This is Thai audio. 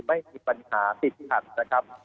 ไม่มีปัญหาติดขัดนะครับ